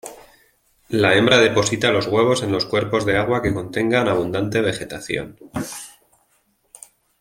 La hembra deposita los huevos en los cuerpos de agua que contengan abundante vegetación.